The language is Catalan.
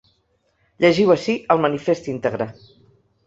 Llegiu ací el manifest íntegre.